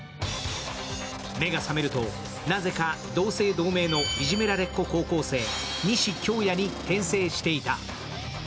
目が覚めると、なぜか同姓同名のいじめられっこ高校生、西恭弥に転生していた。